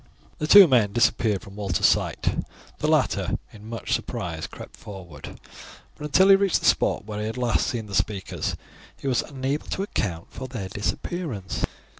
The two men disappeared from Walter's sight. The latter in much surprise crept forward, but until he reached the spot where he had last seen the speakers he was unable to account for their disappearance.